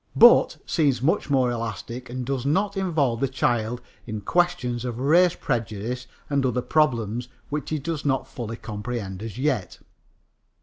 "But" seems much more elastic and does not involve the child in questions of race prejudice and other problems which he does not fully comprehend as yet.